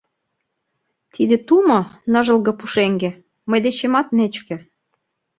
Тиде тумо, ныжылге пушеҥге, мый дечемат нечке».